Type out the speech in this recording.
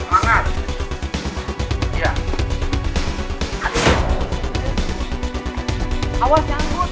oke semangat terus terus